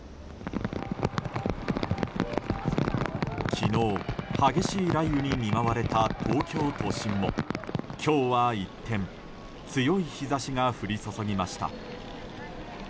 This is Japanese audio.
昨日、激しい雷雨に見舞われた東京都心も今日は一転強い日差しが降り注ぎました。